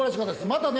またね